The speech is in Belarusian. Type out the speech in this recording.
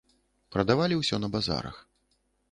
Прадавалі ўсё на базарах.